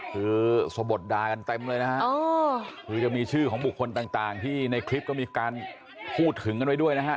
คือสะบดดากันเต็มเลยนะฮะคือจะมีชื่อของบุคคลต่างที่ในคลิปก็มีการพูดถึงกันไว้ด้วยนะฮะ